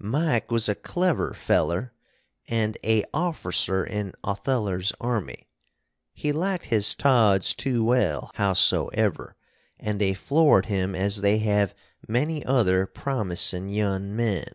Mike was a clever feller & a orficer in Otheller's army. He liked his tods too well, howsoever, & they floored him as they have many other promisin young men.